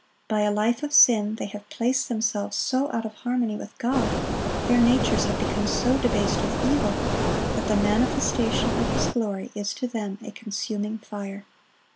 By a life of sin, they have placed themselves so out of harmony with God, their natures have become so debased with evil, that the manifestation of His glory is to them a consuming fire.